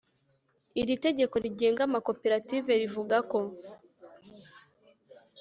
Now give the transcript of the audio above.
Iritegeko rigenga Amakoperative rivuga ko